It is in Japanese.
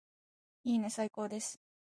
いいねーー最高です